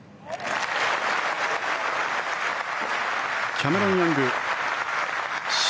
キャメロン・ヤング６